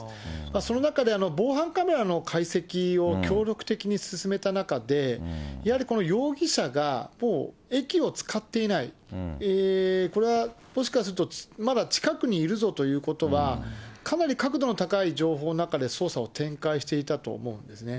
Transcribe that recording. その中で防犯カメラの解析を協力的に進めた中で、いわゆるこの容疑者がもう駅を使っていない、これはもしかするとまだ近くにいるぞということはかなり確度の高い情報の中で捜査を展開していたと思うんですね。